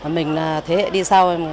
mình thế hệ đi sau mình cảm thấy rất là tự hào